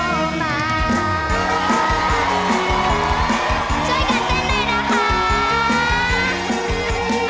ช่วยกันเจนได้นะคะ